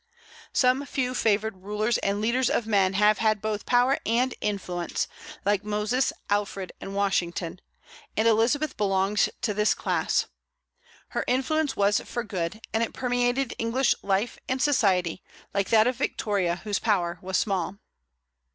Some few favored rulers and leaders of men have had both power and influence, like Moses, Alfred, and Washington; and Elizabeth belongs to this class. Her influence was for good, and it permeated English life and society, like that of Victoria, whose power was small.